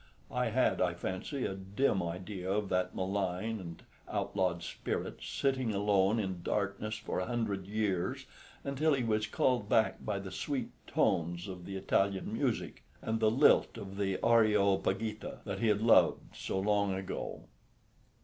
I had, I fancy, a dim idea of that malign and outlawed spirit sitting alone in darkness for a hundred years, until he was called back by the sweet tones of the Italian music, and the lilt of the "Areopagita" that he had loved so long ago.